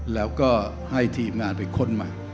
แล้วก็ให้ทีมงานไปค้นมา